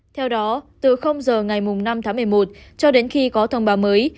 theo đó từ giờ ngày năm tháng một mươi một cho đến khi có thông báo mới